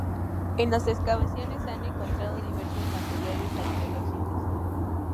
En las excavaciones se han encontrado diversos materiales arqueológicos.